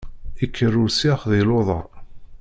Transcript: Ikker usyax di luḍa.